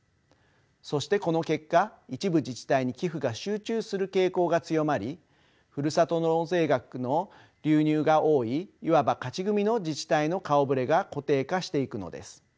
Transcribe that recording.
そしてこの結果一部自治体に寄付が集中する傾向が強まりふるさと納税額の流入が多いいわば「勝ち組」の自治体の顔ぶれが固定化していくのです。